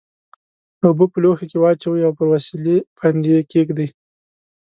اوبه په لوښي کې واچوئ او پر وسیلې باندې یې کیږدئ.